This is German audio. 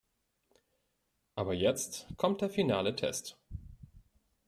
Aber jetzt kommt der finale Test.